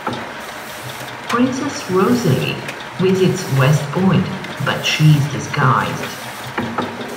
Princess Rosalie visits West Point, but she is disguised.